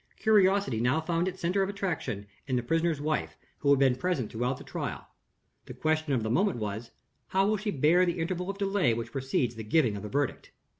Curiosity now found its center of attraction in the prisoner's wife who had been present throughout the trial. The question of the moment was: How will she bear the interval of delay which precedes the giving of the verdict?